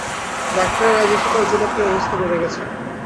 Doctor আজ এসে তার জোলাপের ব্যবস্থা করে গেছেন।